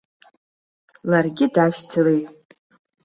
Ларгьы дашьцылеит.